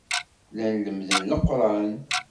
Llan lemmden Leqran.